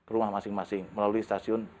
rumah masing masing melalui stasiun